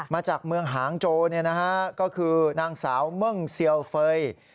มาจากเมืองหางโจเนี่ยนะฮะก็คือนางสาวเมิ่งเซียลเฟย์